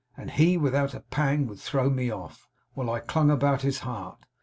and he without a pang could throw me off, while I clung about his heart!